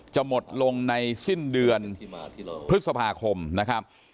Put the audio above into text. จะหมดลงในสิ้นเดือนพฤษภาคมนะครับ